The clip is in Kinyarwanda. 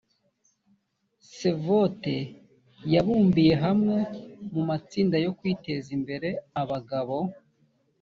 sevota yabumbiye hamwe mu matsinda yo kwiteza imbere abagabo